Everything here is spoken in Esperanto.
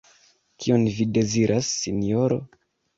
Kion vi deziras, Sinjoro?